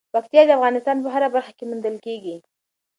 پکتیا د افغانستان په هره برخه کې موندل کېږي.